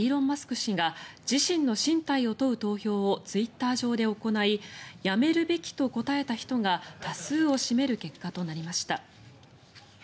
氏が自身の進退を問う投票をツイッター上で行い辞めるべきと答えた人が多数を占める結果となりました。